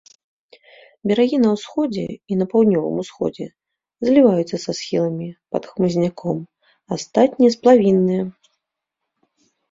Берагі на ўсходзе і паўднёвым усходзе зліваюцца са схіламі, пад хмызняком, астатнія сплавінныя.